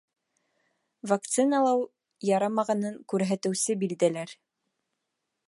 Вакциналау ярамағанын күрһәтеүсе билдәләр